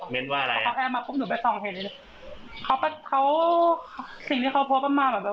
เป็นแม้ว่าใครก็ชอบเงินทั้งนั้นอะไรอย่างนี้